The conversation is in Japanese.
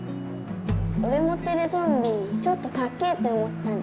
おれもテレゾンビちょっとかっけえって思ってたんだよね。